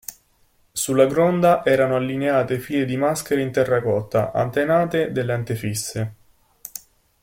Sulla gronda erano allineate file di maschere in terracotta, antenate delle antefisse.